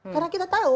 karena kita tahu